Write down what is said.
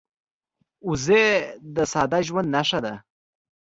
وزې د ساده ژوند نښه ده